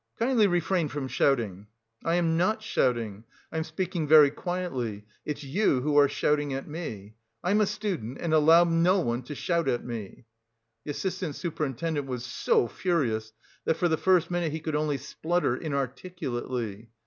"Kindly refrain from shouting!" "I'm not shouting, I'm speaking very quietly, it's you who are shouting at me. I'm a student, and allow no one to shout at me." The assistant superintendent was so furious that for the first minute he could only splutter inarticulately.